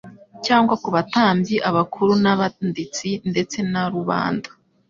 cyangwa ku batambyi abakuru n'abanditsi ndetse na rubanda.